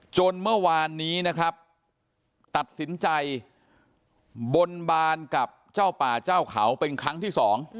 จนเมื่อวานนี้นะครับตัดสินใจบนบานกับเจ้าป่าเจ้าเขาเป็นครั้งที่๒